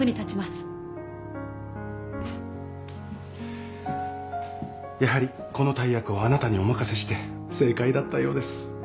フフッやはりこの大役をあなたにお任せして正解だったようです。